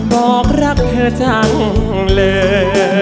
บอกรักเธอจังเลย